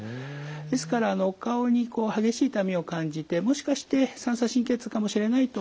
ですからお顔にこう激しい痛みを感じてもしかして三叉神経痛かもしれないと思われたらですね